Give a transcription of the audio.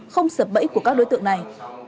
không sợ bẫy của các đối tượng này